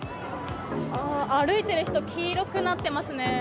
歩いている人は黄色くなっていますね。